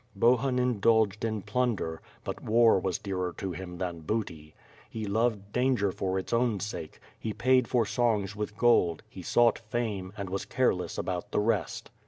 Bohun indulged in plunder, but war was dearer to him than booty. He loved danger for its own sake; he paid for songs with gold; he sought fame; and was careless about the rest.